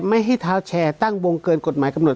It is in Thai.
ไม่ให้เท้าแชร์ตั้งวงเกินกฎหมายกำหนด